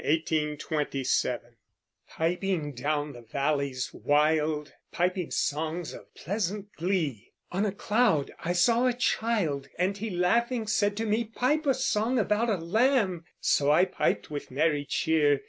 WILLIAM BLAKE (1757 1827) Piping down the valleys wild, Piping songs of pleasant glee, On a cloud I saw a child, And he laughing said to me: "Pipe a song about a lamb;" So I piped with merry cheer.